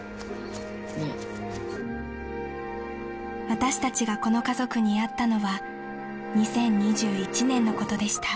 ［私たちがこの家族に会ったのは２０２１年のことでした］